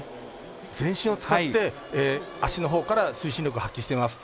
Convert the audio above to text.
全身を使って足のほうから推進力を発揮しています。